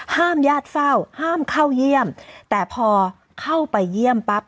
ห้ามญาติเฝ้าห้ามเข้าเยี่ยมแต่พอเข้าไปเยี่ยมปั๊บ